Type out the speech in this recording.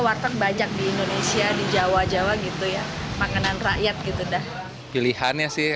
warteg banyak di indonesia di jawa jawa gitu ya makanan rakyat gitu dah pilihannya sih